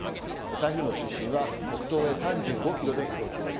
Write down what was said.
台風の中心は北東へ３５キロで移動中です。